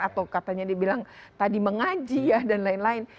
atau katanya dibilang tadi mengaji ya dan lain lain